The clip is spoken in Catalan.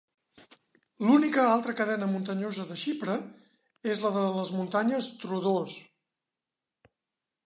L'única altra cadena muntanyosa de Xipre és la de les muntanyes Troodos.